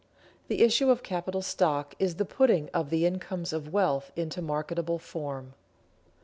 _The issue of capital stock is the putting of the incomes of wealth into marketable form.